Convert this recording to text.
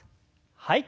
はい。